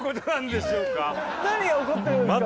何が起こってるんですか？